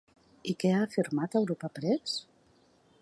I què ha afirmat a Europa Press?